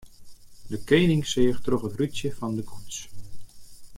De kening seach troch it rútsje fan de koets.